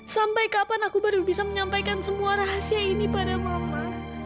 sampai kapan aku baru bisa menyampaikan semua rahasia ini pada mama